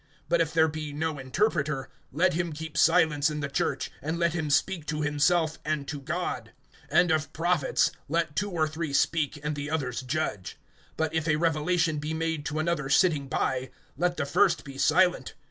(28)But if there be no interpreter, let him keep silence in the church; and let him speak to himself, and to God. (29)And of prophets, let two or three speak, and the others judge. (30)But if a revelation be made to another sitting by, let the first be silent.